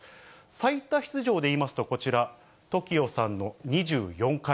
最多出場でいいますと、こちら、ＴＯＫＩＯさんの２４回。